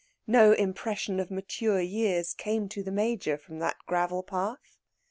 No impression of mature years came to the Major from that gravel path.